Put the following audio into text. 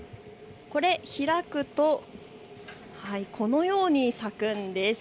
開くとこのように咲くんです。